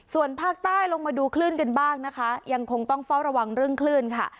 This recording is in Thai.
ส่วนภาคใต้ลงมาดูคลื่นกันบ้างนะคะยังคงต้องเฝ้าระวังเรื่องคลื่นค่ะ